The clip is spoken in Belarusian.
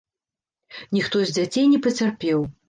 Ніхто з дзяцей не пацярпеў.